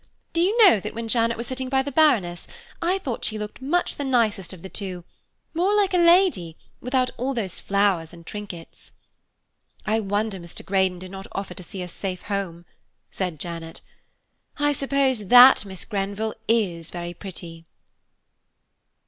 "Do you know that when Janet was sitting by the Baroness, I thought she looked much the nicest of the two, more like a lady, without all those flowers and trinkets." "I wonder Mr. Greydon did not offer to see us safe home," said Janet. "I suppose that Miss Grenville is very pretty."